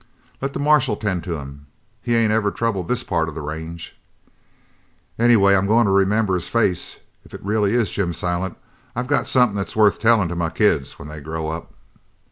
"Let the marshals tend to him. He ain't ever troubled this part of the range." "Anyway, I'm goin' to remember his face. If it's really Jim Silent, I got something that's worth tellin' to my kids when they grow up."